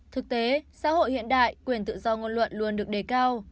thực tế xã hội hiện đại quyền tự do ngôn luận luôn được đề cao